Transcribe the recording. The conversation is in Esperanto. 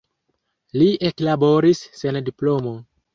Li eklaboris sen diplomo.